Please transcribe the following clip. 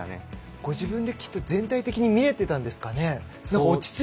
ご自分できっと全体的に見れていたんですかね？